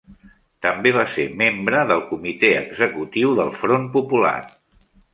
També va ser membre del comitè executiu del Front Popular.